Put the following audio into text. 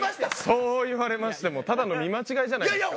そう言われましてもただの見間違いじゃないですか？